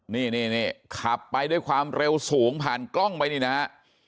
นี่ขับไปด้วยความเร็วสูงผ่านกล้องไปนี่นะฮะ